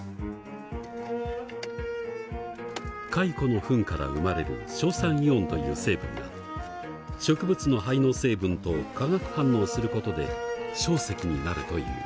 蚕のフンから生まれる硝酸イオンという成分が植物の灰の成分と科学反応することで硝石になるという。